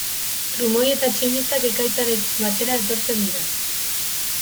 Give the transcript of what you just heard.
Trumoi eta tximistak ekaitzarekin batera etortzen dira.